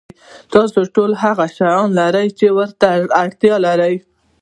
تاسو ټول هغه شیان لرئ چې ورته اړتیا لرئ.